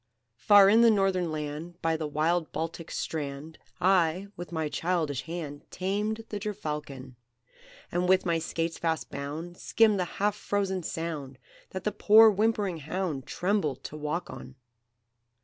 "Far in the Northern Land, By the wild Baltic's strand, I, with my childish hand, Tamed the gerfalcon; And, with my skates fast bound, Skimmed the half frozen Sound, That the poor whimpering hound Trembled to walk on.